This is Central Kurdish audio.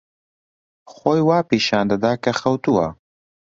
خۆی وا پیشان دەدا کە خەوتووە.